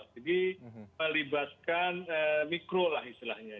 jadi melibatkan mikro lah istilahnya